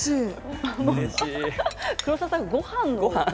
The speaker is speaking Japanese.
黒沢さん、ごはん。